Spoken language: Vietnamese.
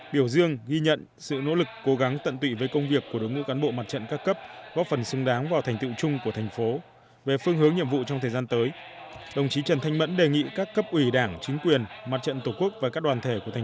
phát biểu tại đại hội đồng chí trần thanh mẫn ghi nhận và đánh giá cao kết quả năm năm qua của mặt trận tổ quốc việt nam